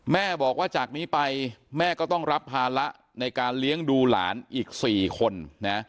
แม่บอกว่าจากนี้ไปแม่ก็ต้องรับภาระในการเลี้ยงดูหลานอีก๔คนนะ